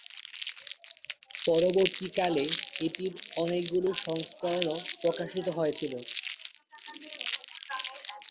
পরবর্তীকালে এটির অনেকগুলি সংস্করণও প্রকাশিত হয়েছিল।